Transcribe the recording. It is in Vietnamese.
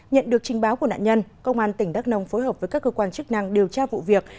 nhận được trình báo của nạn nhân công an tỉnh đắk nông phối hợp với các cơ quan chức năng điều tra vụ việc